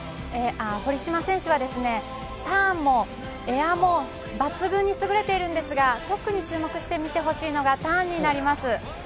堀島選手はターンもエアも抜群に優れているんですが特に注目してほしいのがターンになります。